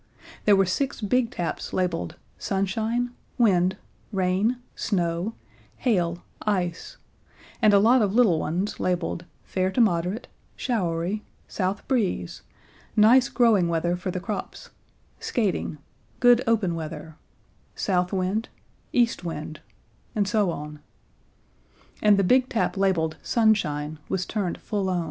There were six big taps labeled "Sunshine," "Wind," "Rain," "Snow," "Hail," "Ice," and a lot of little ones, labeled "Fair to moderate," "Showery," "South breeze," "Nice growing weather for the crops," "Skating," "Good open weather," "South wind," "East wind," and so on. And the big tap labeled "Sunshine" was turned full on.